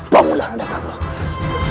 bangunlah nanda prabowo